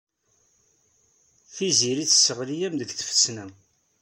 Tiziri tesseɣli-am deg tfesna.